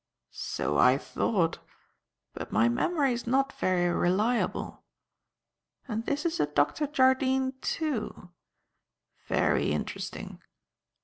"So I thought, but my memory is not very reliable. And this is a Dr. Jardine, too? Very interesting.